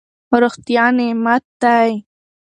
روغتیا نعمت دی.